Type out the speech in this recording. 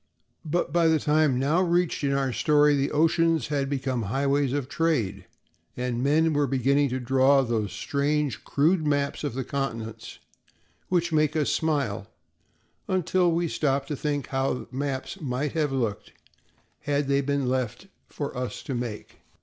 But by the time now reached in our story the oceans had become highways of trade, and men were beginning to draw those strange, crude maps of the continents, which make us smile until we stop to think how maps might have looked had they been left for us to make.